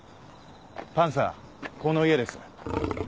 パンサーこの家です。